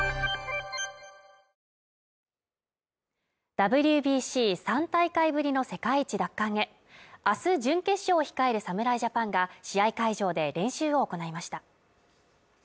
ＷＢＣ３大会ぶりの世界一奪還へ、明日準決勝を控える侍ジャパンが試合会場で練習を行いました。